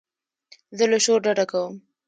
زه له شور ډډه کوم.